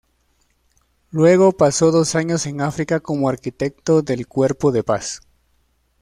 Luego pasó dos años en África como Arquitecto del Cuerpo de Paz.